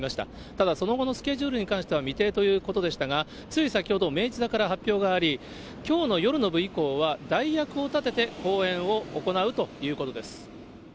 ただその後のスケジュールに関しては未定ということでしたが、つい先ほど、明治座から発表があり、きょうの夜の部以降は、代役を立てて公演を行うということです。